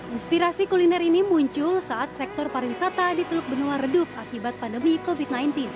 inspirasi kuliner ini muncul saat sektor pariwisata di teluk benua redup akibat pandemi covid sembilan belas